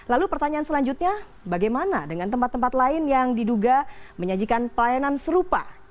lalu pertanyaan selanjutnya bagaimana dengan tempat tempat lain yang diduga menyajikan pelayanan serupa